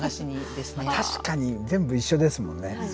確かに全部一緒ですもんね。